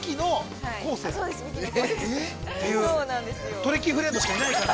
◆トリッキーフレンドしかいないから。